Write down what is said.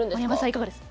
いかがです？